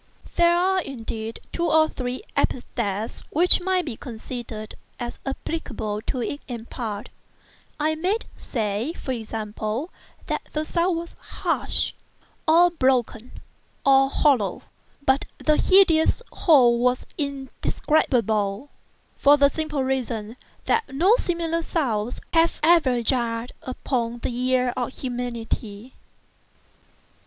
There are, indeed, two or three epithets which might be considered as applicable to it in part; I might say, for example, that the sound was harsh, and broken and hollow; but the hideous whole is indescribable, for the simple reason that no similar sounds have ever jarred upon the ear of humanity.